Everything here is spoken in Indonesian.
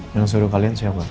jangan suruh kalian saya ngacau